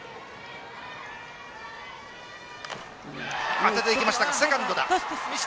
当てていきました、セカンドだ。